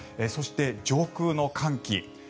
そして上空の寒気